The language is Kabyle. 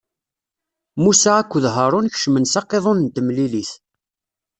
Musa akked Haṛun kecmen s aqiḍun n temlilit.